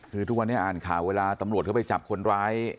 คือทุกวันนี้อ่านข่าวเวลาตำรวจเข้าไปจับคนร้าย